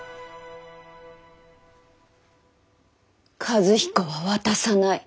和彦は渡さない。